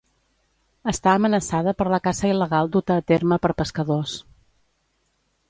Està amenaçada per la caça il·legal duta a terme per pescadors.